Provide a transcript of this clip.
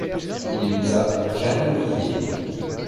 Il épousa Jeanne de Villiers.